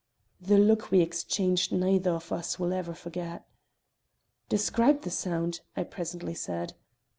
The look we exchanged neither of us will ever forget. "Describe the sound!" I presently said.